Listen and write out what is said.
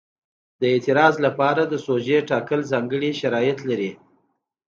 د اعتراض لپاره د سوژې ټاکل ځانګړي شرایط لري.